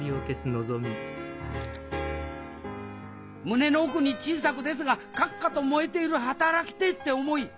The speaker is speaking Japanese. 胸の奥に小さくですがカッカと燃えている「働きてえ」って思い。